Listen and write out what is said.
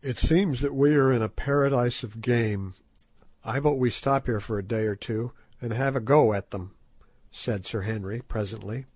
"It seems that we are in a paradise of game. I vote we stop here a day or two, and have a go at them," said Sir Henry, presently.